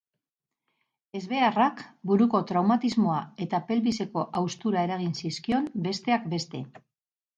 Ezbeharrak buruko traumatismoa eta pelbiseko haustura eragin zizkion, besteak beste.